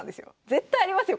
絶対ありますよ